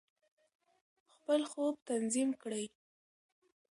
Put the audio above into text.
خپل خوب تنظیم کړئ.